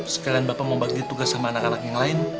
sekalian bapak membagi tugas sama anak anak yang lain